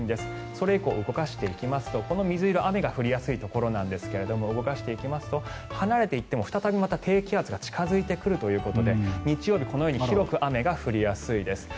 それ以降、動かしていきますと水色雨が降りやすいところなんですが動かしていきますと離れていっても再びまた低気圧が近付いてくるということで日曜日広く雨が降りやすいです。